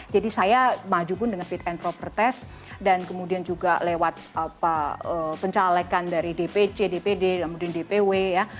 jadi saya maju pun dengan fit and proper test dan kemudian juga lewat pencalekan dari dpc dpd kemudian dpw ya